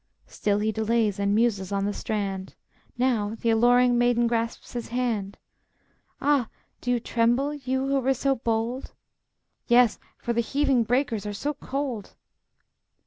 Still he delays and muses, on the strand; Now the alluring maiden grasps his hand. "Ah! Do you tremble, you who were so bold?" "Yes, for the heaving breakers are so cold!"